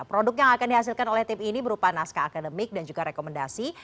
produk yang akan dihasilkan oleh tim ini berupa naskah akademik dan juga rekomendasi